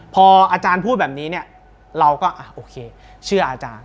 พออาจารย์พูดแบบนี้เนี่ยเราก็โอเคเชื่ออาจารย์